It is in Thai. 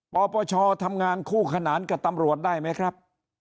ปปชทำงานคู่ขนานกับตำรวจได้ไหมครับ